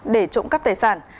để trộm cắp tài sản